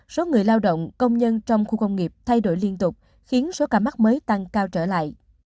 số người lao động công nhân trong khu công nghiệp thay đổi liên tục khiến số ca mắc mới tăng cao trở lại